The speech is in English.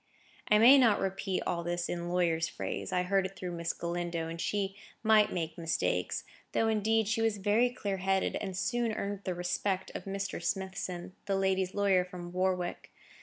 I may not repeat all this in lawyer's phrase; I heard it through Miss Galindo, and she might make mistakes. Though, indeed, she was very clear headed, and soon earned the respect of Mr. Smithson, my lady's lawyer from Warwick.